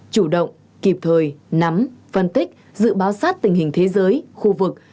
chủ động kịp thời nắm phân tích dự báo sát tình hình thế giới khu vực